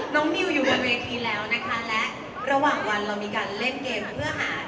มิวอยู่บนเวทีแล้วนะคะและระหว่างวันเรามีการเล่นเกมเพื่อหา